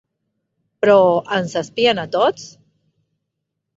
Però ens espien a tots?